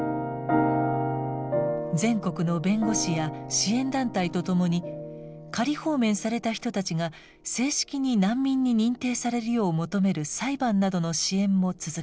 全国の弁護士や支援団体と共に仮放免された人たちが正式に難民に認定されるよう求める裁判などの支援も続けています。